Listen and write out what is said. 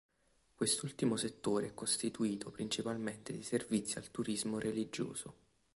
Quest'ultimo settore è costituito principalmente di servizi al turismo religioso.